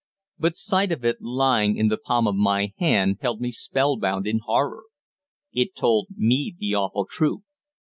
But sight of it lying in the palm of my hand held me spellbound in horror. It told me the awful truth.